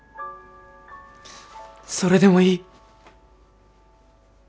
それでもいい。